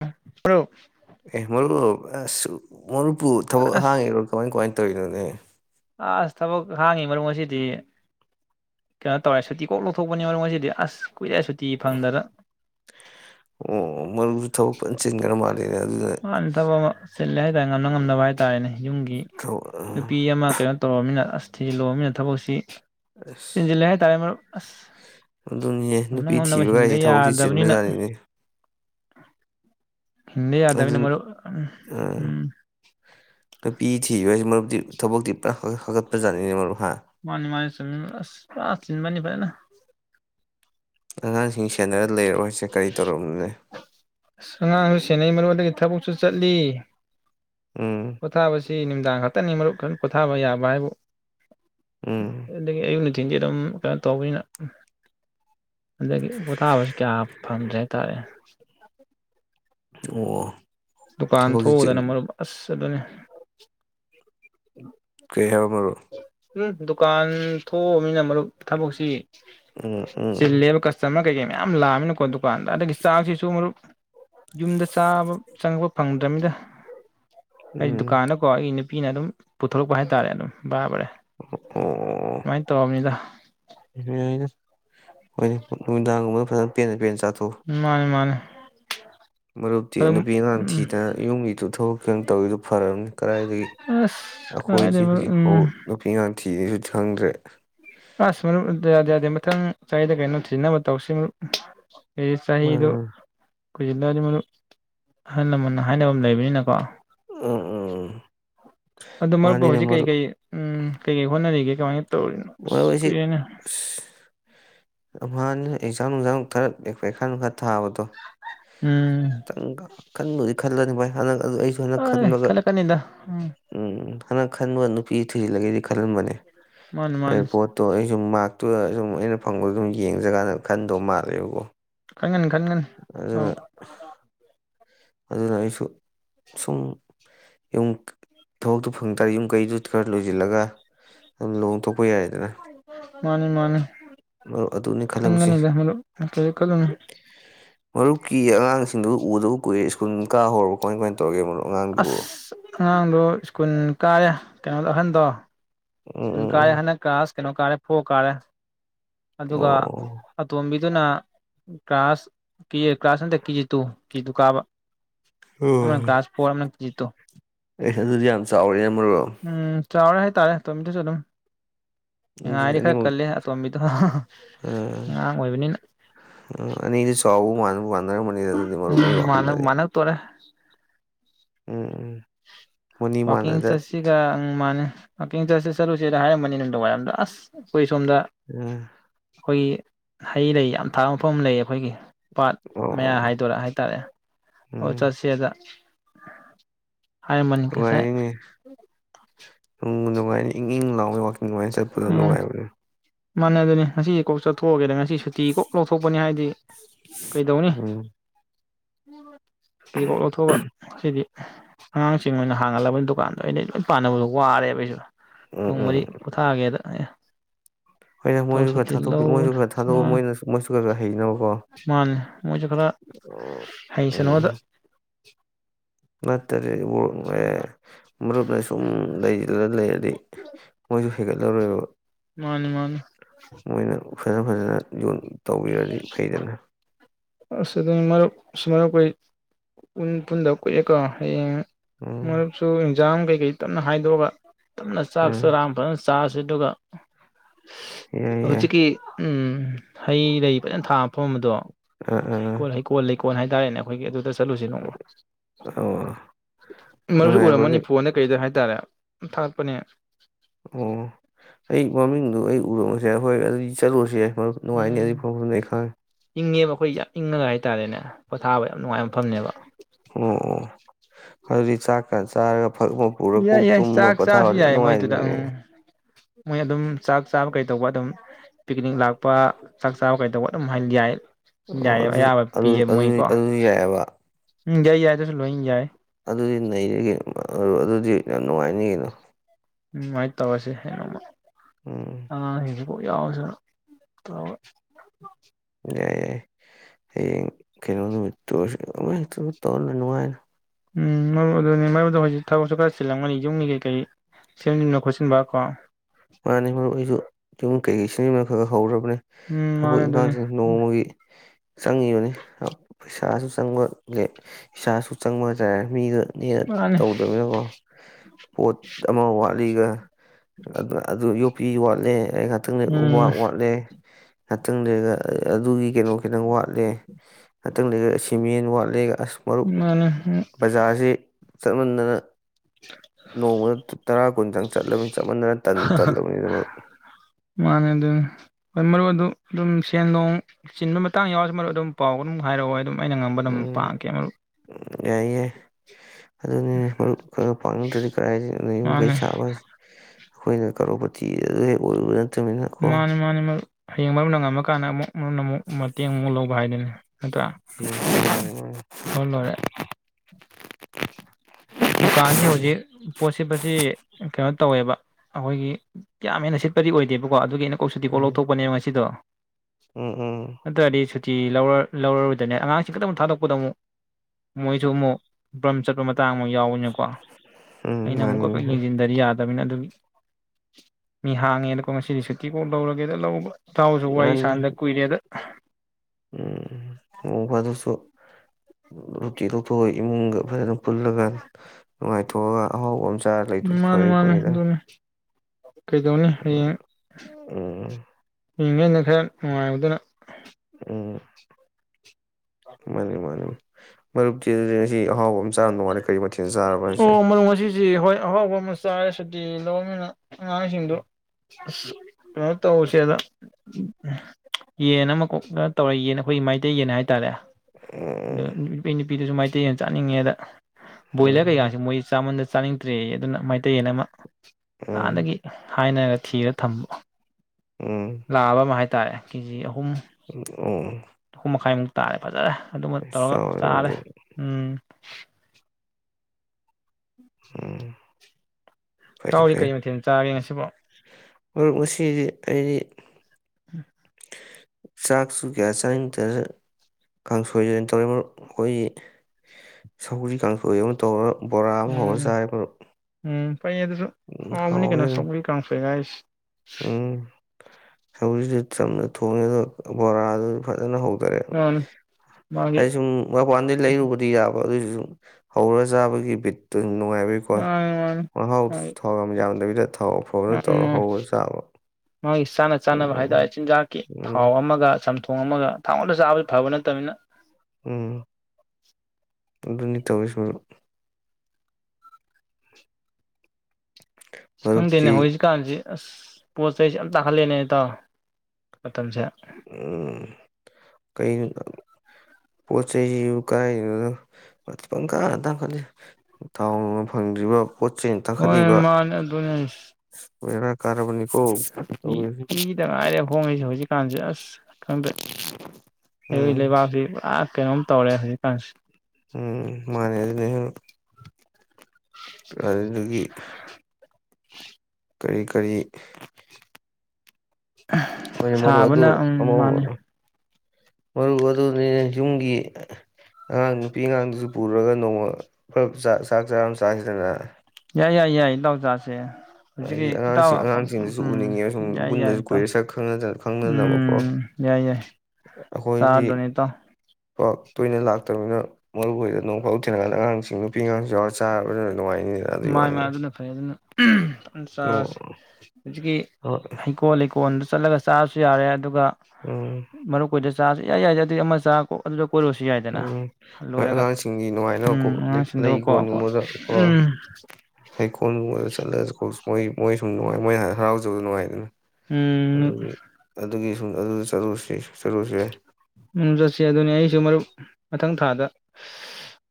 [unintelligible] Pro ꯑꯁꯨ [unintelligible] ꯃꯔꯨꯞꯄꯨ ꯊꯕꯛ ꯍꯥꯡꯉꯤꯕ꯭ꯔꯣ ꯀꯃꯥꯏ ꯀꯃꯥꯏꯅ ꯇꯧꯏꯅꯣꯅꯦ ꯑꯁ ꯊꯕꯛ ꯍꯥꯡꯉꯤ ꯃꯔꯨꯞ ꯉꯁꯤꯗꯤ ꯀꯩꯅꯣ ꯇꯧꯋꯦ ꯁꯨꯇꯤ ꯀꯣꯛ ꯂꯧꯊꯣꯛꯄꯅꯤ ꯃꯔꯨꯞ ꯉꯁꯤꯗꯤ ꯑꯁ ꯀꯨꯏꯔꯦ ꯁꯨꯇꯤ ꯐꯪꯗꯗ [unintelligible] ꯑꯣ ꯃꯔꯨꯞꯁꯨ ꯊꯕꯛ ꯐꯖꯅ ꯆꯤꯟꯈ꯭ꯔ ꯃꯥꯟ ꯃꯥꯥꯟꯅꯦ ꯊꯕꯛ ꯑꯃ ꯁꯤꯜꯂꯦ ꯍꯥꯏꯇꯥꯔꯦ ꯉꯝꯅ ꯉꯝꯅꯕ ꯍꯥꯏꯇꯥꯔꯦꯅꯦ ꯌꯨꯝꯒꯤ ꯊꯕꯛ ꯑ, ꯅꯨꯄꯤ ꯑꯃ ꯀꯩꯅꯣ ꯇꯧꯔꯅꯤꯅ ꯑꯁ ꯊꯤꯂꯣꯃꯤꯅ ꯊꯕꯛꯁꯤ ꯑꯁ ꯆꯦꯟꯖꯤꯜꯂꯦ ꯍꯥꯏꯇꯥꯔꯦ ꯃꯔꯨꯞ ꯑꯁ ꯑꯗꯨꯅꯤꯅꯦ ꯉꯝꯅ ꯅꯨꯄꯤ ꯉꯝꯅꯕ ꯍꯤꯡꯗ ꯊꯤꯕꯒꯥꯏꯁꯦ ꯊꯕꯛꯇꯤ ꯌꯥꯗꯕꯅꯤꯅ ꯆꯤꯟꯕꯖꯥꯠꯅꯤꯅꯦ ꯍꯤꯡꯗ ꯑꯗꯨ ꯌꯥꯗꯕꯅꯤꯅ ꯃꯔꯨꯞ ꯑ ꯎꯝ ꯅꯨꯄꯤ ꯊꯤꯕ ꯍꯥꯏꯖꯤ ꯃꯔꯨꯞ ꯗꯤ ꯊꯕꯛꯇꯤ ꯐꯖ ꯍꯥꯞ ꯍꯥꯞꯀꯠꯄꯖꯥꯠꯅꯤꯅ ꯃꯔꯨꯞ ꯍꯥ ꯃꯥꯅꯤ ꯃꯥꯅꯤ ꯆꯨꯝꯃꯤ ꯃꯔꯨꯞ ꯑꯁ ꯐꯖ ꯆꯤꯟꯕꯅꯦ ꯐꯖꯅ [unintelligible] ꯑꯉꯥꯡ ꯁꯦꯟꯅꯔ ꯂꯩꯔꯣꯁꯦ ꯀꯔꯤ ꯇꯧꯔꯝꯂꯦ ꯑꯁ ꯑꯉꯥꯡꯁꯨ ꯁꯦꯟꯅꯩ ꯃꯔꯨꯞ ꯑꯗꯩꯒꯤ ꯊꯕꯛꯁꯨ ꯆꯠꯂꯤ ꯎꯝ ꯁꯤ ꯅꯨꯡꯗꯥꯡ ꯈꯛꯇꯅꯤ ꯃꯔꯨꯞ ꯐꯖꯅ ꯄꯣꯊꯥꯕ ꯌꯥꯕ ꯍꯥꯏꯕꯨ ꯎꯝ [unintelligible] ꯁꯤꯡꯗꯤ ꯑꯗꯨꯝ ꯀꯩꯅꯣ ꯇꯧꯕꯅꯤꯅ ꯑꯗꯒꯤ ꯄꯣꯊꯥꯕꯁꯤ ꯀꯌꯥ ꯐꯪꯗ꯭ꯔꯦ ꯍꯥꯏꯇꯥꯔꯦ꯫ [unintelligible] ꯑꯣ꯫ ꯗꯨꯀꯥꯟ ꯊꯕꯛꯁꯤ ꯆꯤꯟ ꯊꯣꯛꯎꯗꯅ ꯃꯔꯨꯞ ꯑꯁ ꯑꯗꯨꯅꯦ ꯀꯩꯍꯩꯞ ꯃꯔꯨꯞ꯫ ꯎꯝ ꯗꯨꯀꯥꯟ ꯊꯣꯛꯑꯃꯤꯅ ꯃꯔꯨꯞ ꯊꯕꯛꯁꯤ ꯎꯝ ꯎꯝ ꯆꯤꯜ ꯂꯦꯕ ꯀꯁꯇꯃꯔ ꯀꯩꯀꯩꯏꯝ ꯃꯌꯥꯝ ꯂꯥꯛꯑꯃꯤꯅꯀꯣ ꯗꯨ [unintelligible] ꯆꯥꯁꯤꯁꯨ ꯃꯔꯨꯞ ꯌꯨꯝꯗ ꯆꯥꯕ ꯆꯪꯕ ꯐꯪ ꯔꯝꯗꯥ ꯑꯩ ꯎꯝ ꯗꯨꯀꯥꯟꯗ ꯀꯣ ꯑꯩ ꯅꯨꯞ ꯅꯨꯄꯤꯅ ꯑꯗꯨꯝ ꯄꯨꯊꯣꯔꯛꯄ ꯍꯥꯏꯇꯥꯔꯦ ꯑꯗꯨꯝ꯫ ꯕꯥ ꯕꯔꯦ ꯑꯣ ꯑꯗꯨꯃꯥꯏ ꯇꯧꯔꯝꯃꯤꯗ꯫ ꯌꯥꯏꯅꯦ ꯍꯣꯏꯅꯦ ꯅꯨꯃꯤꯗꯥꯡꯒꯨꯝꯕꯗ ꯐꯖꯅ ꯄꯦꯟꯅ ꯄꯦꯟꯅ ꯆꯥ ꯃꯥꯅꯦ ꯃꯥꯅꯦ꯫ ꯃꯔꯨꯞꯇꯤ ꯑꯗꯨꯝ ꯅꯨꯄꯤ ꯑꯉꯥꯡ ꯎꯝ ꯊꯤꯗꯅ ꯌꯨꯝꯒꯤ ꯇꯨꯊꯣꯛ ꯀꯩꯏꯝ ꯇꯧꯔꯤꯗꯨ ꯐꯔꯝꯅꯤ ꯀꯗꯥꯏꯗꯒꯤ ꯑꯁ ꯑꯩꯈꯣꯏꯗꯤ ꯀꯥꯏꯗꯩ ꯃꯔꯨꯞ ꯍꯧꯖꯤꯛꯐꯥꯎ ꯎꯝ ꯅꯨꯄꯤ ꯉꯥꯡ ꯊꯤꯔꯤꯖꯤ ꯈꯪꯗ꯭ꯔꯦ ꯆꯥꯏꯗ ꯀꯩꯅ ꯊꯤꯅꯕ ꯇꯧꯁꯤꯡ ꯑꯦ ꯆꯍꯤꯗꯨ ꯃꯥꯅꯤ ꯀꯨꯏꯖꯤꯂꯗꯤ ꯃꯔꯨꯞ ꯑꯍꯜ ꯂꯃꯟꯅ ꯍꯥꯏꯅꯕ ꯑꯃ ꯂꯩꯕꯅꯤꯅꯀꯣ꯫ ꯎꯝ ꯎꯝ ꯑꯗꯨ ꯃꯔꯨꯞꯄꯨ ꯃꯥꯅꯤꯅꯦ ꯍꯧꯖꯤꯛ ꯃꯔꯨꯞ ꯀꯩꯀꯩ ꯎꯝ ꯀꯩꯀꯩ ꯍꯣꯠꯅꯔꯤꯒꯦ꯫ ꯀꯃꯥꯏ ꯇꯧꯔꯤꯅꯣ꯫ ꯃꯔꯨꯞ ꯏꯁ ꯀꯨꯏꯔꯦꯅꯦ ꯑꯝꯍꯥꯅꯦ ꯑꯦꯛꯖꯥꯡ ꯅꯨꯡꯖꯥꯝ ꯈꯔ ꯄꯩꯈꯥ ꯅꯨꯡꯈꯥ ꯊꯥꯕꯗꯣ꯫ ꯎꯝ꯫ ꯈꯤꯇꯪ ꯈꯟꯕꯨꯗꯤ ꯈꯟꯂꯅꯤ ꯚꯥꯏ ꯍꯥꯟꯅ ꯑꯗꯨ ꯑꯩꯁꯨ ꯍꯟꯗꯛ ꯑꯦ ꯈꯟꯕꯒ ꯈꯜꯂꯛꯀꯅꯤꯗ ꯎꯝ ꯎꯝ꯫ ꯍꯟꯗꯛ ꯈꯟꯕꯒ ꯅꯨꯄꯤ ꯊꯨꯖꯤꯜꯂꯒꯦꯗꯤ ꯈꯜꯂꯝꯕꯅꯦ ꯃꯥꯅꯤ ꯃꯥꯅꯤ ꯍꯥꯏꯗꯤ ꯄꯣꯠꯇꯣ ꯑꯩꯖꯨ ꯃꯥꯛ [unintelligible] ꯁꯨꯝ ꯑꯩꯅ ꯐꯪꯕꯗꯨꯗ ꯑꯃꯨꯛ ꯌꯦꯡꯖꯤꯔꯅ ꯈꯟꯗꯧ ꯃꯥꯜꯂꯦꯕꯀꯣ ꯈꯟꯒꯅꯤ ꯈꯟꯒꯅꯤ ꯑ ꯑꯗꯨꯅ [unintelligible] ꯑꯗꯨꯅ ꯑꯩꯁꯨ ꯁꯨꯝ ꯌꯨꯝ ꯊꯕꯛꯇꯨ ꯐꯪ ꯇꯥꯔꯗꯤ ꯌꯨꯝ ꯀꯩꯗꯨ ꯈꯔ ꯂꯣꯏꯁꯤꯜꯂꯒ ꯑꯗꯨꯝ ꯂꯨꯍꯣꯡꯊꯣꯛ ꯄ ꯌꯥꯔꯦꯗꯅ ꯃꯥꯅꯤ ꯃꯥꯅꯤ ꯃꯔꯨꯞ ꯑꯗꯨꯅꯤ ꯈꯜꯂꯝꯕꯁꯤ ꯈꯟꯒꯅꯤꯗ ꯃꯔꯨꯞ ꯀꯩꯁꯨ ꯈꯜꯂꯨꯅꯨ ꯃꯔꯨꯞꯀꯤ ꯑꯉꯥꯡ ꯁꯤꯡꯗꯨ ꯎꯗꯕꯨ ꯀꯨꯏꯔꯦ ꯁ꯭ꯀꯨꯜ ꯀꯥ ꯍꯧꯔꯕꯥ ꯀꯃꯥꯏ ꯀꯃꯥꯏ ꯇꯧꯔꯤꯒꯦ ꯃꯔꯨꯞ ꯑꯉꯥꯡꯗꯨꯕꯨ ꯑꯁ ꯑꯉꯥꯡꯗꯣ ꯁ꯭ꯀꯨꯜ ꯀꯥꯔꯦ ꯀꯩꯅꯣꯗ ꯑꯍꯟꯗꯣ ꯎꯝ ꯁꯀꯨꯜ ꯀꯔꯦ ꯎꯝ ꯍꯥꯟꯗꯛ ꯀꯥꯂꯁ ꯀꯩꯅꯣ ꯀꯥꯔꯦ ꯐꯣꯔ ꯀꯥꯔꯦ ꯑꯗꯨꯒ ꯎꯝ ꯑꯇꯣꯝꯕꯤ ꯑꯗꯨꯅ ꯀ꯭ꯂ꯭ꯔꯥꯁ ꯀꯦ ꯀ꯭ꯂ꯭ꯔꯥꯁ ꯅꯗ ꯀꯦꯖꯤ ꯇꯨ ꯀꯦꯖꯤꯗꯨꯨ ꯀꯥꯕ ꯍ ꯑꯃꯅ ꯀ꯭ꯂꯥꯁ ꯐꯣꯔ ꯑꯃꯅ ꯀꯦꯖꯤ ꯇꯨ ꯑꯦ ꯑꯗꯨꯗꯤ ꯌꯥꯝ ꯆꯥꯎꯔꯦꯅꯤ ꯃꯔꯨꯞ ꯎꯝ ꯆꯥꯎꯔꯦ ꯍꯥꯏꯇꯥꯔꯦ ꯇꯣꯝꯕꯤꯗꯨꯁꯨ ꯑꯗꯨꯝ ꯅꯤꯡꯉꯥꯏ ꯑꯗꯨꯗꯤ ꯗꯤ ꯈꯔꯥ ꯑꯅꯤꯃꯛ ꯀꯜꯂꯤ ꯑꯇꯣꯝꯕꯤ ꯑ ꯑ ꯑꯉꯥꯡ ꯑꯣꯏꯕꯅꯤꯅ ꯇꯎ ꯋꯥꯟ ꯋꯥꯟ ꯅꯨꯡꯉꯥꯏꯔꯝꯒꯅꯤꯗ ꯑꯗꯨꯗꯤ ꯃꯔꯨꯞ ꯑꯩ ꯅꯪ ꯃꯥꯟꯅ ꯋꯥꯈꯜꯗꯗꯤ ꯃꯥꯟꯅꯛꯇꯣꯔꯦ ꯎꯝ ꯎꯝ ꯃꯣꯅꯤ ꯋꯥꯛꯀꯤꯡ ꯃꯥꯟꯅꯗ ꯆꯠꯁꯤꯒ ꯃꯥꯅꯤ ꯋꯥꯜꯀꯤꯟ ꯆꯠꯁꯤ ꯆꯠꯂꯨꯁꯤꯗ ꯍꯥꯏꯃꯅꯤꯅ ꯅꯨꯡꯗꯥꯡ ꯋꯥꯏꯔꯝ ꯗ ꯁꯣꯝꯗ ꯎꯝ ꯑꯩꯈꯣꯏꯒꯤ ꯍꯩ ꯂꯩ ꯌꯥꯝ ꯊꯥꯕ ꯃꯐꯝ ꯑꯃ ꯂꯩ ꯑꯩꯈꯣꯏꯒꯤ ꯄꯥꯠ ꯑꯣ ꯃꯌꯥ ꯑꯣ ꯍꯥꯏꯗꯣꯏꯔꯥ ꯍꯥꯏꯇꯥꯔꯦ ꯑꯣ ꯎꯝ ꯆꯠꯁ ꯑꯗ ꯍꯥꯏ ꯅꯨꯡꯉꯥꯏꯔꯤꯅꯦ ꯅꯨꯉꯥꯏꯅꯤ ꯏꯪ ꯏꯪ ꯂꯥꯎꯅ ꯋꯥꯈꯜ ꯅꯨꯡꯉꯥꯏꯅ ꯆꯠꯄꯗꯣ ꯅꯨꯡꯉꯥꯏꯕꯅꯦ ꯃꯥꯟꯅꯦ ꯑꯗꯨꯅꯤ ꯉꯁꯤꯁꯦ ꯀꯣꯛ ꯆꯠꯊꯣꯛꯎꯒꯦꯗ ꯉꯁꯤ ꯁꯨꯇꯤ ꯀꯣꯛ ꯂꯧꯊꯣꯛꯄꯅꯤ ꯍꯥꯏꯗꯤ ꯀꯩꯗꯧꯅꯤ ꯎꯝ [inaudible] ꯁꯨꯇꯤꯒꯣꯛ ꯂꯧꯊꯣꯛꯑꯒ ꯉꯁꯤꯗꯤ ꯑꯉꯥꯡꯁꯤꯡ ꯑꯣꯏꯅ ꯍꯥꯡꯒꯜꯂꯕꯅꯤ ꯗꯨꯀꯥꯟꯗꯣ ꯑꯩꯅ ꯂꯣꯏ ꯄꯥꯅꯕꯗꯣ ꯋꯥꯔꯦꯕ ꯑꯩꯁꯨ ꯎꯝ ꯎꯝ ꯍꯥꯏꯒꯗ ꯍꯣꯏꯅꯦ ꯃꯣꯏꯁꯨ ꯈꯔ ꯊꯥꯗꯣꯛꯄꯤ ꯃꯣꯏꯁꯨ ꯈꯔ ꯊꯥꯗꯣꯛꯑꯣ ꯃꯥꯅꯤ ꯃꯣꯏꯅꯁꯨ ꯃꯣꯏꯁꯨ ꯈꯔ ꯈꯔ ꯍꯩꯅꯅꯕꯀꯣ ꯃꯥꯅꯤ ꯃꯣꯏꯁꯨ ꯈꯔ ꯎꯝ ꯍꯩꯁꯅꯣꯗ ꯎ ꯅꯥꯇꯥꯗꯤ ꯑꯗꯨꯗꯒꯤ ꯃꯔꯨꯞꯅ ꯁꯨꯝ ꯂꯩ ꯂꯩꯔꯗꯤ ꯃꯣꯏꯁꯨ ꯍꯦꯟꯒꯠꯂꯣꯏꯕ ꯃꯥꯅꯤ ꯃꯥꯅꯤ ꯐꯖ ꯐꯖꯅ ꯌꯣꯟ ꯇꯧꯕꯤꯔꯗꯤ ꯐꯩꯗꯅ ꯑꯁ ꯑꯗꯨꯅ ꯃꯔꯨꯞ ꯑꯩꯈꯣꯏ ꯎꯟ ꯄꯨꯨꯟꯗ ꯀꯨꯏꯔꯦꯀꯣ ꯍꯌꯦꯡ ꯎꯝ ꯃꯔꯨꯞ ꯁꯨ ꯑꯦꯛꯖꯥꯝ ꯀꯩꯀꯩ ꯇꯞꯅ ꯍꯥꯏꯗꯣꯛꯑꯒ ꯇꯞꯅ ꯆꯥꯛ ꯎꯝ ꯆꯔꯥ ꯑꯝ ꯆꯥꯔꯁꯤ ꯑꯗꯨꯒ ꯌꯥꯏ ꯌꯥꯏ ꯍꯧꯖꯤꯀꯤ ꯎꯝ ꯎꯝ ꯍꯩ ꯂꯩ ꯐꯖꯅ ꯊꯥ ꯃꯐꯝ ꯑꯃꯗꯣ ꯑꯥ ꯑꯥ ꯍꯩꯀꯣꯜ ꯍꯩꯀꯣꯜ ꯂꯩ ꯀꯣꯟ ꯍꯥꯏꯇꯥꯔꯅꯦ ꯑꯩꯈꯣꯏꯒꯤ ꯑꯗꯨ ꯆꯠꯂꯨꯁꯤ ꯅꯣꯡꯃ ꯑꯣ ꯃꯔꯨꯞꯁꯨ ꯎꯔꯝꯃꯅꯤ ꯅꯨꯡꯉꯥꯏꯕ꯭ꯔꯗꯤ ꯐꯣꯟꯗ ꯀꯩꯗ ꯍꯥꯏꯇꯥꯔꯦ ꯊꯥꯒꯠꯄꯅꯦ ꯑꯣ ꯑꯩ ꯃꯃꯤꯡꯗꯨ ꯑꯩ [unintelligible] ꯑꯩꯈꯣꯏ ꯆꯠꯂꯨꯔꯁꯦ ꯃꯔꯨꯞ ꯅꯨꯡꯉꯥꯏꯅꯤ ꯎꯝ ꯑꯗꯨꯏ ꯃꯐꯝꯗꯣ ꯑꯩ ꯈꯪ ꯏꯪꯉꯦꯕ ꯑꯩꯈꯣꯏꯖꯦ ꯏꯪꯒ ꯍꯥꯏꯇꯥꯔꯦꯅꯦ ꯄꯣꯊꯥꯕ ꯌꯥꯝ ꯅꯨꯡꯉꯥꯏꯕ ꯃꯐꯝꯅꯦꯕ ꯑꯣ ꯑꯣ ꯑꯗꯨꯗꯤ ꯆꯥꯛ ꯀꯥ ꯆꯥꯔ ꯐꯛ ꯑꯃ ꯄꯨꯔꯒ ꯀꯣꯛ ꯌꯥꯏ ꯌꯥꯏ ꯇꯨꯝꯃ ꯆꯥꯛ ꯆꯥꯁꯨ ꯄꯊꯥꯔꯨꯔꯗꯤ ꯌꯥꯏ ꯃꯣꯏꯗꯨꯗ ꯅꯨꯡꯉꯥꯏꯗꯨꯏꯅꯤꯅꯦ ꯎꯝ ꯃꯣꯏ ꯑꯗꯨꯝ ꯆꯥꯛ ꯆꯥꯕ ꯀꯩ ꯇꯧꯕ ꯑꯗꯨꯝ ꯄꯤꯀꯅꯤꯛ ꯂꯥꯛꯄ ꯆꯥꯛ ꯆꯥꯕ ꯀꯩꯗꯧꯕ ꯑꯗꯨꯝ ꯍꯥꯏꯟ ꯌꯥꯏ ꯑꯣ ꯌꯥꯏꯑꯕ ꯑꯌꯥꯕ ꯄꯤꯌꯦꯕ ꯑꯗꯨꯗꯤ ꯃꯣꯏꯀꯣ [unintelligible] ꯑꯗꯨꯗꯤ ꯌꯥꯏꯌꯦꯕ ꯎꯝ ꯌꯥꯏ ꯌꯥꯏ ꯑꯗꯁꯨ ꯂꯣꯏ ꯌꯥꯏ ꯑꯗꯨꯗꯤ ꯅꯩꯔꯦ ꯀꯩꯅꯣ ꯑ ꯑꯗꯨꯗꯤ ꯌꯥꯝ ꯅꯨꯡꯉꯥꯏꯅꯤ ꯀꯩꯅꯣ ꯎꯝꯃꯥꯏ ꯇꯧꯔꯁꯦ ꯀꯩꯅꯣꯃ ꯎꯝ ꯑ ꯑꯦꯗꯤ [unintelligible] ꯌꯥꯏ ꯌꯥꯏ ꯍꯌꯦꯡ ꯀꯩꯅꯣ ꯅꯨꯃꯤꯠꯇ ꯑꯃꯨꯛ ꯍꯦꯟ ꯇꯧꯔ ꯂꯣꯏꯔꯦ ꯅꯨꯡꯉꯥꯏꯅ ꯎꯝ ꯃꯔꯨꯞ ꯑꯗꯨꯅꯤ ꯃꯔꯨꯞ ꯍꯣꯏꯖꯨ ꯍꯧꯖꯤꯛ ꯊꯕꯛꯁꯨ ꯈꯔ ꯆꯤꯜꯂꯝꯒꯅꯤ ꯌꯨꯝꯒꯤ ꯀꯔꯤ ꯁꯦꯝꯖꯤꯟꯕ ꯈꯣꯠꯆꯤꯟꯕ ꯀꯣ ꯃꯥꯅꯤ ꯃꯔꯨꯞ ꯑꯩꯁꯨ ꯌꯨꯝ ꯀꯩꯀꯩ ꯁꯦꯝꯖꯤꯟꯕ ꯍꯧꯔꯕꯅꯦ ꯎꯝ ꯊꯕꯛ ꯃꯥꯅꯦ ꯑꯗꯨꯅꯤ ꯏꯪꯈꯥꯡꯁꯤꯡ ꯅꯣꯡꯃꯒꯤ ꯆꯪꯉꯤꯕꯅꯤ ꯄꯩꯁꯥꯁꯨ ꯆꯪꯕ [unintelligible] ꯏꯁꯥꯁꯨ ꯆꯪꯕ ꯀꯩ [unintelligible] ꯃꯤꯗꯨ ꯃꯤꯅ ꯃꯥꯅꯤ ꯇꯧꯗꯕꯅꯤꯅꯀꯣ ꯄꯣꯠ ꯑꯃ ꯋꯥꯠ ꯑꯩꯒ [inaudible] ꯌꯣꯄꯤ ꯋꯥꯠꯂꯦ ꯑꯗꯩ ꯉꯥꯏꯍꯥꯛꯇꯪ ꯂꯩꯔ ꯎꯝ ꯎꯕꯥꯛ ꯋꯥꯠꯂꯦ ꯉꯥꯛꯇꯪ ꯂꯩꯔꯒ ꯑꯗꯨꯒꯤ ꯀꯩꯅꯣ ꯈꯤꯇꯪ ꯋꯥꯠꯂꯦ ꯉꯥꯛꯇꯪ ꯂꯩꯔꯒ ꯁꯤꯃꯦꯟ ꯋꯥꯠꯂꯦꯒ ꯑꯁ ꯃꯔꯨꯞ ꯃꯥꯅꯦ ꯕꯖꯥꯔꯁꯤ ꯆꯠꯃꯟꯗꯅ ꯅꯣꯡꯃꯗ ꯇꯔꯥ ꯪꯀꯨꯟꯗꯪ ꯆꯠꯂꯃꯤꯅ ꯆꯞ ꯃꯥꯟꯅꯔꯦ ꯇꯟ ꯇꯟꯅ ꯂꯣꯏꯅꯃꯛ ꯃꯥꯅꯦ ꯑꯗꯨꯅꯦ ꯍꯣꯏ ꯃꯔꯨꯞ ꯑꯗꯨ ꯑꯗꯨꯝ ꯁꯦꯟ ꯅꯨꯡ ꯆꯤꯟꯕ ꯃꯇꯥꯡ ꯌꯥꯎꯔꯁꯨ ꯃꯔꯨꯞ ꯑꯗꯨꯝ ꯄꯥꯎꯒ ꯑꯗꯨꯝ ꯍꯥꯏꯔꯛꯑꯣꯍꯦ ꯑꯗꯨꯝ ꯑꯩꯅ ꯉꯝꯕ ꯑꯗꯨꯝ ꯎꯝ ꯄꯥꯡꯉꯛꯀꯦ ꯃꯔꯨꯞ ꯌꯥꯏ ꯌꯥꯏ ꯑꯗꯨꯅꯤꯅꯦ ꯃꯔꯨꯞ ꯈ꯭ꯔꯒ ꯄꯥꯡꯅꯥꯗ꯭ꯔꯗꯤ ꯀꯔꯥꯏꯗꯩ ꯌꯨꯝ ꯀꯩ ꯃꯥꯅꯦ ꯁꯥꯕ ꯍꯥꯏꯁꯦ ꯑꯩꯈꯣꯏꯅ ꯀꯔꯣꯔꯄꯇꯤ ꯑꯗꯨ ꯍꯦꯛ ꯑꯣꯏꯔꯨꯕꯅꯅꯦ ꯃꯥꯅꯦ ꯃꯥꯅꯦ ꯃꯔꯨꯞ ꯍꯌꯦꯡ ꯃꯔꯨꯞꯅ ꯉꯝꯃꯀꯥꯟꯗ ꯑꯃꯨꯛ ꯃꯔꯨꯞꯅ ꯑꯃꯨꯛ ꯃꯇꯦꯡ ꯑꯃꯨꯛ ꯂꯧꯕ ꯍꯥꯏꯕꯗꯨꯅꯤ ꯎꯝ ꯇꯧꯔ ꯂꯣꯏꯔꯦ [unintelligible] [inaudible] ꯗꯨꯀꯥꯟꯁꯤ ꯍꯧꯖꯤꯛ ꯄꯣꯠ ꯁꯤꯠꯄꯁꯤ ꯀꯩꯅꯣ ꯇꯧꯋꯦꯕ ꯑꯩꯈꯣꯏꯒꯤ ꯀꯌꯥꯝ ꯍꯦꯟꯅ ꯁꯤꯠꯄꯗꯤ ꯑꯣꯏꯗꯦꯕꯀꯣ ꯑꯗꯨꯒꯤ ꯑꯩꯅ ꯀꯣꯛ ꯁꯨꯇꯤ ꯀꯣꯛ ꯂꯧꯊꯣꯛꯄꯅꯦꯕ ꯉꯁꯤꯗꯣ ꯎꯝ ꯎꯝ ꯇꯤ ꯂꯧꯔ ꯂꯧꯔꯔꯣꯏꯗꯅꯦ ꯑꯉꯥꯡꯁꯤ ꯈꯤꯇꯃꯛ ꯊꯥꯗꯣꯛꯄꯗ ꯑꯃꯨꯛ ꯃꯣꯏꯁꯨ ꯑꯃꯨꯛ ꯕ꯭ꯔꯝ ꯆꯠꯄ ꯃꯇ ꯑꯇꯥꯡꯕ ꯌꯥꯎꯕꯅꯤꯅꯀꯣ ꯃꯥꯅꯤ ꯃꯥꯅꯤ ꯎꯝ ꯎꯝ ꯎꯝ ꯎꯝ ꯑꯩꯅ ꯃꯥꯅꯤꯅꯦ ꯑꯃꯨꯛꯀ ꯌꯦꯡꯁꯤꯟꯗꯔꯗꯤ ꯌꯥꯗ ꯌꯥꯗꯕꯅꯤꯅ ꯑꯗꯨꯝ ꯃꯤ ꯍꯥꯡꯉꯦꯅ ꯀꯣ ꯉꯁꯤꯗꯤ ꯁꯨꯇꯤ ꯀꯣꯛ ꯂꯧꯔꯒꯦꯗꯅ ꯂꯧꯕ ꯏꯇꯥꯎꯁꯨ ꯋꯥꯔꯤ ꯃꯥꯅꯤ ꯁꯥꯟꯗ ꯀꯨꯏꯔꯦꯗ ꯎꯝ ꯅꯣꯡꯐꯗꯁꯨ ꯁꯨꯇꯤ ꯂꯧꯊꯣꯛꯑ ꯏꯃꯨꯡꯒ ꯐꯖꯅ ꯄꯨꯜꯂꯒ ꯅꯨꯡꯉꯥꯏꯊꯣꯛꯑꯒ ꯑꯍꯥꯎꯕ ꯑꯃ ꯆꯥꯔ ꯎꯝ ꯂꯩꯗꯨꯗꯤ ꯃꯥꯅꯦ ꯐꯔꯤ ꯃꯥꯅꯦ ꯄꯣꯠꯅꯤꯗ ꯑꯗꯨꯅꯦ [inaudible] [unintelligible] ꯀꯩꯗꯧꯅꯤ ꯍꯌꯦꯡ ꯎꯝ ꯍꯌꯦꯡ ꯅꯪꯅ ꯈꯔ ꯅꯨꯡꯉꯥꯏꯕꯗꯨꯅ ꯎꯝ ꯃꯥꯅꯤ ꯃꯥꯅꯤ ꯃꯔꯨꯞꯇꯤ ꯑꯗꯨꯗꯤ ꯉꯁꯤ ꯑꯍꯥꯎꯕ ꯑꯃ ꯆꯥꯔꯝꯗꯧ ꯃꯥꯜꯂꯦ ꯀꯔꯤ ꯃꯊꯦꯜ ꯆꯥꯔꯕ ꯍꯥꯏꯁꯦ ꯑꯣ ꯃꯔꯨꯞ ꯉꯁꯤꯁꯤ ꯍꯣꯏ ꯑꯍꯥꯎꯕ ꯑꯃ ꯆꯥꯥꯔꯦ ꯁꯨꯇꯤ ꯂꯧꯔꯥꯃꯤꯅ ꯑꯉꯥꯡ ꯁꯤꯡꯗꯨ ꯑꯁ ꯀꯩꯅꯣ ꯇꯧꯔꯁꯦ ꯑꯗ ꯌꯦꯟ ꯑꯃ ꯀꯣꯛ ꯇꯧꯔ ꯌꯦꯟ ꯑꯩꯈꯣꯏꯒꯤ ꯃꯩꯇꯩ ꯌꯦꯟ ꯍꯥꯏꯇꯥꯔꯦ ꯗ ꯎꯝ ꯑꯩ ꯅꯨꯄꯤꯗꯁꯨꯃꯥꯏ ꯇꯦꯟ ꯆꯥꯅꯤꯡꯉꯦꯗ ꯕꯣꯏꯂ꯭ꯔ ꯎꯝ ꯀꯩꯀꯁꯦ ꯃꯣꯏ ꯆꯥꯃꯟ ꯆꯥꯅꯤꯡꯗ꯭ꯔꯦ ꯑꯗꯨꯅ ꯃꯩꯇꯩ ꯌꯦꯟ ꯑꯃ ꯎꯝ ꯅꯍꯥꯟꯗꯒꯤ ꯍꯥꯏꯅꯔ ꯊꯤꯔ ꯊꯝ ꯂꯕ ꯃꯥ ꯍꯥꯏ ꯇꯥꯥꯔꯦ ꯀꯦꯖꯤ ꯑꯍꯨꯝ ꯑꯣ ꯑꯍꯨꯝ ꯃꯈꯥꯏꯃꯨꯛ ꯇꯥꯔꯦ ꯐꯖꯔꯦ ꯑꯗꯨꯃ ꯇꯧꯔꯒ ꯆꯥꯎꯔꯦ ꯆꯥꯔꯦ ꯑꯗꯨꯗꯤ ꯑꯨꯝ ꯑꯨꯝ ꯇꯥꯎꯔꯤ ꯀꯔꯤ ꯃꯊꯦꯜ ꯆꯥꯒꯦ ꯉꯁꯤꯕꯨ ꯃꯔꯨꯞ ꯃꯁꯤꯗꯤ ꯑꯩꯗꯤ [inaudible] ꯆꯥꯛꯁꯨ ꯀꯌꯥ ꯆꯥꯅꯤꯡꯗ ꯀꯥꯡꯁꯣꯏ ꯑꯣꯏ ꯇꯧꯔꯤꯕꯣ ꯑꯩꯈꯣꯏꯒꯤ ꯁꯧꯒꯔꯤ ꯀꯥꯡꯁꯣꯏ ꯑꯃ ꯇꯧꯔꯒ ꯕꯣꯔꯥꯃ ꯍꯧꯔꯆꯥꯏ ꯃꯔꯨꯞ ꯐꯩ ꯑꯗꯨꯁꯨ ꯎꯝ ꯍꯥꯎꯕꯅꯤ ꯍꯥꯎꯋꯦ ꯀꯩꯅꯣ ꯑꯗꯨꯝ ꯁꯧꯒꯤ ꯀꯥꯡꯁꯣꯏ ꯄꯦꯡꯍꯥꯢ [unintelligible] ꯎꯝ ꯁꯧꯁꯤꯁꯨ ꯆꯝꯅ ꯊꯣꯡꯉꯦ ꯑꯗꯣ ꯕꯣꯔꯥꯗꯣ ꯐꯖꯅ ꯍꯧ ꯃꯥꯅꯤ ꯃꯥꯒꯤ ꯑꯩ ꯁꯨꯝ ꯃꯄꯥꯟꯗꯩ ꯂꯩꯔꯨꯕꯗꯤ ꯌꯥꯕ ꯑꯗꯨꯢꯁꯨ ꯍꯧꯔꯖꯥꯕꯒꯤ ꯕꯤꯠꯇꯨ ꯅꯨꯡꯉꯥꯏꯕꯩꯀꯣ ꯃꯥꯅꯤ ꯃꯥꯅꯤ ꯃꯍꯥꯎꯁꯨ ꯃꯥꯒꯤ ꯊꯧ ꯌꯥꯝ ꯌꯥꯝꯗꯕꯤꯗ ꯊꯥꯎ ꯐꯕꯅ ꯇꯧꯔ ꯎꯝ ꯍꯧꯕꯁꯨ [inaudible] ꯃꯥꯒꯤ ꯆꯥꯅ ꯆꯥꯅꯕ ꯍꯥꯏꯇꯥꯔꯦ ꯆꯤꯟꯖꯥꯛꯀꯤ ꯎꯝ ꯊꯥꯎ ꯑꯃꯒ ꯆꯥꯝꯊꯣꯡ ꯊꯣꯡ ꯑꯃꯒ ꯊꯧꯉꯥꯛꯇ ꯆꯥꯕ ꯐꯕ ꯅꯠꯇꯕꯅꯤꯅ ꯎꯝ ꯑꯗꯨꯅꯤ ꯇꯧꯋꯤꯁꯨ ꯈꯪꯗꯦꯅꯦ ꯃꯔꯨꯞꯇꯤ ꯍꯧꯖꯤꯛ ꯀꯥꯟꯁꯦ ꯑꯁ ꯄꯣꯠ ꯆꯩꯁ ꯌꯥꯝ ꯇꯥꯡꯈꯠꯂꯦꯅꯦ ꯇꯥꯎ [unintelligible] ꯀꯩ ꯄꯣꯠꯆꯩ ꯀꯥꯏꯅꯣꯅꯣ ꯄꯪ ꯀꯥ ꯇꯥꯡꯈꯂꯤ ꯊꯥꯎꯅ ꯐꯪꯗ꯭ꯔꯤꯕ ꯄꯣꯠ ꯍꯣꯏ ꯃꯥꯅꯦ ꯑꯗꯨꯅꯦ ꯍꯥꯢꯁꯦ ꯑꯣꯏꯕ ꯀꯔꯕꯅꯤꯀꯣ ꯃꯤ ꯃꯤꯒꯤꯗ ꯉꯥꯏꯔꯦ ꯍꯣꯡꯉꯁꯦ ꯍꯧꯖꯤꯛꯀꯥꯟꯁꯦ ꯑꯁ ꯈꯪꯗꯦ ꯑꯩꯈꯣꯏ ꯎꯝ ꯂꯩꯕꯥꯛꯁꯤ ꯄꯨꯥ ꯀꯩꯅꯣꯝ ꯇꯧꯔꯦ ꯍꯧꯖꯤꯛꯀꯥꯟꯁꯤ ꯎꯝ ꯃꯥꯅꯦ ꯀꯥꯏꯗꯒꯤ ꯀꯔꯤ ꯀꯔꯤ ꯍꯣꯏꯅꯦ ꯃꯔꯨꯞ ꯑꯗꯨ ꯁꯥꯕꯅ ꯑꯪ ꯃꯥꯅꯤ ꯑꯃ ꯃꯔꯨꯞ ꯑꯗꯨꯅꯤ ꯌꯨꯝꯒꯤ ꯑꯉꯥꯡ ꯅꯨꯄꯤ ꯑꯉꯥꯡꯗꯨꯁꯨ ꯄꯨꯔꯒ ꯅꯣꯡꯃ ꯄꯨꯂꯞ ꯆꯥꯛ ꯆꯥꯔ ꯆꯥꯁꯤꯗꯅ ꯌꯥꯏ ꯌꯥꯏ ꯌꯥꯏ ꯂꯥꯎꯦ ꯆꯥꯁꯦ ꯍꯧꯖꯤꯛꯀꯤ ꯍꯥꯏꯗꯤ ꯏꯇ ꯑꯉꯥꯡꯁꯤꯡ ꯑꯉꯥꯡꯁꯤꯡꯗꯁꯨ ꯎꯝ ꯎꯅꯤꯡꯉꯦ ꯁꯨꯝ ꯌꯥꯏ ꯌꯥꯏ ꯄꯨꯟꯗꯁꯨ ꯏꯇ ꯀꯨꯏꯔꯦ ꯁꯛ ꯎꯝ ꯈꯪꯅꯗꯅꯕꯀꯣ ꯌꯥꯏ ꯌꯥꯏ ꯆꯥ ꯑꯩꯈꯣꯏꯗꯤ ꯑꯗꯨꯅꯤꯇ ꯄꯥꯛ ꯇꯣꯏꯅ ꯂꯥꯛꯇꯕꯅꯤꯅ ꯃꯔꯨ ꯑꯣꯏꯏꯗ ꯅꯣꯡꯐꯥꯎ ꯊꯦꯡꯅꯀꯥꯟꯗ ꯑꯉꯥꯡꯁꯤꯡ ꯅꯨꯄꯤ ꯑꯉꯥꯡꯁꯨ ꯌꯥꯎꯔ ꯆꯥꯔꯕꯅꯤ ꯃꯥ ꯃꯥ ꯑꯗꯨꯅ ꯐꯩ ꯑꯗꯨꯅ ꯎꯝ ꯅꯣꯡ ꯆꯥꯁꯦ ꯍꯧꯖꯤꯛꯀꯤ ꯍꯣꯏ ꯍꯩꯀꯣꯜ ꯂꯩꯀꯣꯜꯗ ꯆꯠꯂꯒ ꯆꯥꯔꯁꯨ ꯌꯥꯔꯦ ꯑꯗꯨꯒ ꯎꯝ ꯃꯔꯨꯞ ꯀꯣꯏꯗ ꯆꯥ ꯌꯥꯏ ꯌꯥꯏ ꯑꯗꯨꯏ ꯑꯃ ꯆꯥꯀꯣ ꯑꯗꯨꯗ ꯀꯣꯠꯂꯨꯁꯨ ꯌꯥꯏꯗꯅ ꯎꯝ ꯍꯣꯏ ꯂꯣꯏꯔꯒ ꯑꯉꯥꯡꯁꯤꯡꯒꯤ ꯅꯨꯡꯉꯥꯏꯅꯕ ꯀꯣ ꯎꯝ ꯑꯉꯥꯡꯁꯤꯡꯗꯨꯒꯀꯣꯣ ꯎꯝ ꯍ ꯀꯣꯟ ꯆꯂ ꯀ ꯃꯣꯏ ꯃꯣꯏ ꯁꯨꯝ ꯅꯨꯡꯉꯥꯏ ꯃꯣꯏꯅ ꯍꯔꯥꯎꯖꯕꯁꯨ ꯉꯥꯏꯗꯅ ꯎꯝ ꯎꯝ ꯑꯗꯨꯗ ꯆꯠꯂꯨꯁꯤ ꯆꯠꯂꯨꯁꯨ ꯌꯥꯏ ꯎꯝ ꯆꯠꯁꯤ ꯑꯗꯨꯅꯤ ꯑꯩꯁꯨ ꯃꯔꯨꯞ ꯃꯊꯪ ꯊꯥꯗ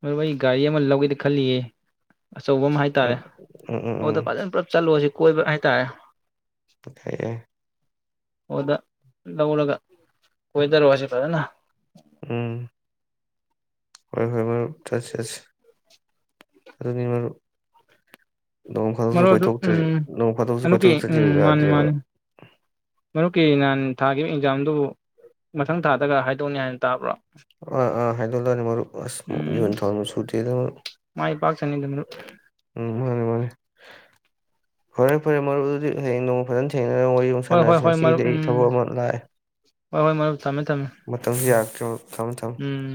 ꯃꯔꯨꯞ ꯑꯩ ꯒꯥꯔꯤ ꯑꯃ ꯂꯧꯒꯦꯗ ꯈꯜꯂꯤꯌꯦ ꯑꯆꯧꯕ ꯑꯃ ꯍꯥꯏꯇꯥꯔꯦ ꯎꯝ ꯎꯝ ꯎꯝ ꯎꯝ ꯑꯣꯗ ꯐꯖꯅ ꯄꯨꯂꯞ ꯆꯠꯂꯣꯁꯤ ꯀꯣꯏ ꯍꯥꯏ ꯑꯇꯥ ꯌꯥꯏ ꯑꯣꯗ ꯂꯧꯂꯒ ꯑꯣꯏꯣꯏꯗꯔ ꯋꯥꯁꯤ ꯐꯖꯅ ꯎꯝ ꯍꯣꯏ ꯍꯣꯏ ꯃꯔ ꯆꯁꯤ ꯑꯗꯨꯅꯤ ꯃꯔꯔ ꯃꯔꯨꯞ ꯑꯗꯨ ꯎꯝ ꯑꯗꯨꯛꯀꯤ ꯀꯣꯏꯊꯣꯛꯇ꯭ꯔꯁꯨ ꯎꯝ ꯃꯥꯅꯤ ꯌꯥꯗꯦꯕ ꯃꯥꯅꯤ ꯃꯔꯨꯞꯀꯤ ꯅꯍꯅꯤ ꯊꯥꯈꯤꯕ ꯑꯦꯛꯖꯥꯝꯗꯨꯕꯨ ꯃꯊꯪ ꯊꯥꯗꯒ ꯍꯥꯏꯗꯣꯛꯅꯤ ꯍꯥꯏꯅ ꯇꯥꯕ꯭ꯔꯣ ꯑ ꯑꯥ ꯍꯥꯏ ꯍꯥꯏꯗꯣꯀꯦꯛ ꯑꯥꯅꯤ ꯃꯔꯨꯞ ꯑꯁ ꯎꯝ ꯃꯤꯍꯨꯜ ꯊꯥꯎꯟ ꯁꯨꯇꯤꯗ ꯃꯔꯨꯞ ꯈꯪꯉꯦꯗꯅ ꯃꯥꯔꯨꯞ ꯎꯝ ꯃꯥꯅꯤ ꯃꯥꯅꯤ ꯐꯔꯦ ꯐꯔꯦ ꯃꯔꯨꯞ ꯑꯗꯨꯗꯤ ꯍꯌꯦꯡ ꯅꯣꯡꯃ ꯐꯖꯅ ꯊꯦꯡ ꯍꯣꯏ ꯍꯣꯏ ꯍꯣꯏ ꯃꯥꯔꯨꯞ ꯎꯝ ꯍꫭꯏ ꯍꯣꯏ ꯃꯥꯔꯨꯞ ꯊꯝꯃꯦ ꯊꯝꯃꯦ ꯃꯇꯝꯁꯦ ꯎꯝ ꯌꯥꯔꯛꯇ꯭ꯔꯦꯕ ꯊꯝꯃꯦ ꯊꯝꯃꯦ ꯎꯝ꯫